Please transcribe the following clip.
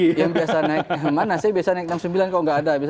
iya yang biasa naik mana sih biasa naik enam puluh sembilan kalau nggak ada